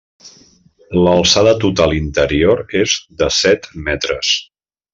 L'alçada total interior és de set metres.